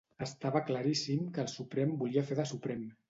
Estava claríssim que el Suprem volia fer de Suprem.